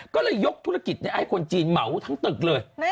ก็เลยยกธุรกิจให้คนจีนเหมาทั้งตึกเลย